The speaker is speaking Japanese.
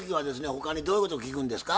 他にどういうこと聞くんですか？